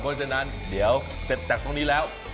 เพราะฉะนั้นเดี๋ยวเสร็จจากตรงนี้แล้ว